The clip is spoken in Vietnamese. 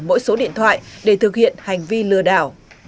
mỗi số điện thoại để thực hiện hành vi lừa đảo